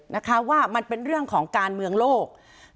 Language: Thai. นะคะว่ามันเป็นเรื่องของการเมืองโลก